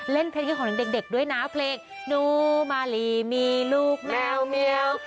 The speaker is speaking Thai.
เล่นเพลงยี่หัวของเด็กด้วยนะเคล็กนูมารีมีลูกแมวเหมียว